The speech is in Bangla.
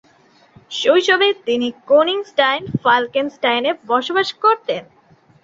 শৈশবে তিনি কোনিংস্টাইন-ফাল্কেনস্টাইনে বসবাস করতেন।